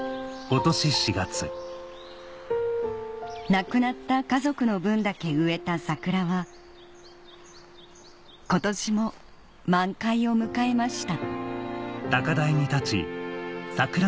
亡くなった家族の分だけ植えた桜は今年も満開を迎えました